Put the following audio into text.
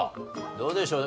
どうでしょう？